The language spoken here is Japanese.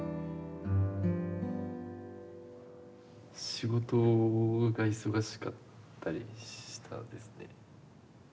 仕事が忙しかったりしたんですね。